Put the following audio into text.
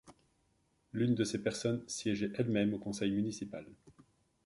L'une de ces personnes siégeait elle-même au conseil municipal.